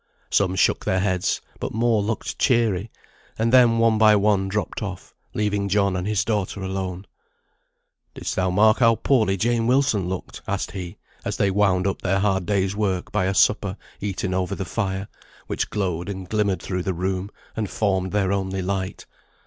Some shook their heads, but more looked cheery; and then one by one dropped off, leaving John and his daughter alone. "Didst thou mark how poorly Jane Wilson looked?" asked he, as they wound up their hard day's work by a supper eaten over the fire, which glowed and glimmered through the room, and formed their only light.